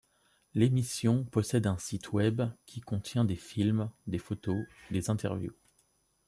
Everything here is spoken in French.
L'émission possède un site web, qui contient des films, des photos, des interviews...